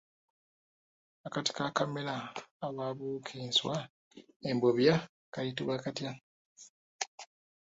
Akatiko akamera awabuuka enswa embobya kayitibwa katya?